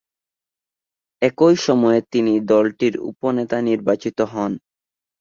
একই সময়ে তিনি দলটির উপনেতা নির্বাচিত হন।